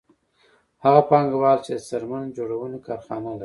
هغه پانګوال چې د څرمن جوړونې کارخانه لري